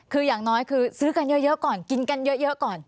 คืออย่างน้อยคือซื้อกันเยอะก่อนกินกันเยอะก่อน